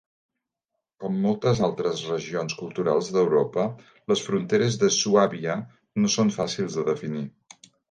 Com moltes altres regions culturals d'Europa, les fronteres de Suàbia no són fàcils de definir.